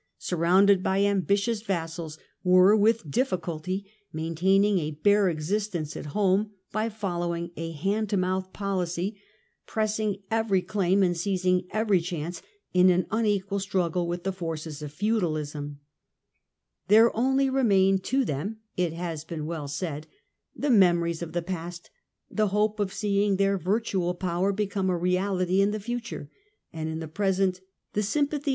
surrounded by ambitious vassals, were with difficulty maintaining a bare existence at home by following a hand to mouth policy, pressing every claim and seizing every chance in an unequal struggle ith the forces of feudalism. " There only remained them," it has been well said,^ " the memories of the past, the hope of seeing their virtual power become a E' in the future, and, in the present, the sympathy y M. Luchaire. [Lavisse : Hist, de France^ ii.